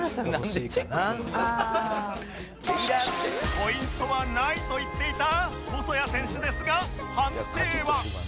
ポイントはないと言っていた細谷選手ですが判定は